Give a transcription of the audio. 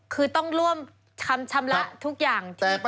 คือต้องร่วมคำชำระทุกอย่างที่เกิดขึ้น